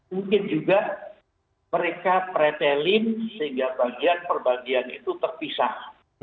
mungkin juga mereka pretelin sehingga bagian perbagian itu terpisah